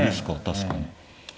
確かに。